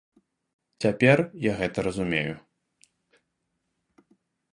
Цяпер я гэта разумею.